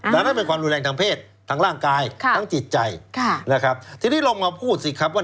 แต่นั่นเป็นความรุนแรงทางเพศทางร่างกายทางจิตใจที่ที่เรามาพูดสิครับว่า